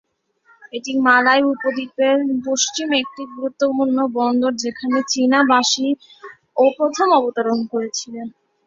এটি মালয় উপদ্বীপের পশ্চিমে একটি গুরুত্বপূর্ণ বন্দর যেখানে চীনা অভিবাসীরা প্রথম অবতরণ করেছিল।